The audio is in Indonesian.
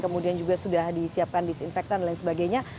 kemudian juga sudah disiapkan disinfektan dan lain sebagainya